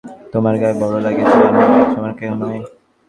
যুবরাজের বিপদ হইয়াছে বলিয়া তোমার গায়ে বড়ো লাগিয়াছে– যেন যুবরাজ আমার কেহ নয়।